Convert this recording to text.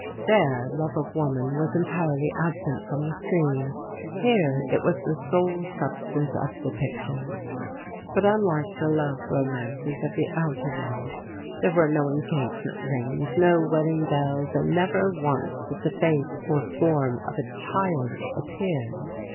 There love of woman was entirely absent from the screen. Here it was the sole substance of the pictures. But unlike the love romances of the outer world, there were no engagement rings, no wedding bells, and never once did the face or form of a child appear.